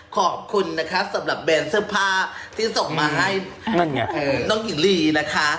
ขอบคุณนะคะสำหรับแบรนด์เสื้อผ้าที่ส่งมาให้นั่นไงน้องหญิงลีนะคะ